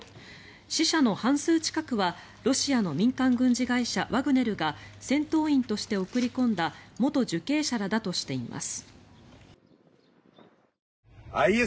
死者の半数近くはロシアの民間軍事会社ワグネルが戦闘員として送り込んだ元受刑者らだとしています。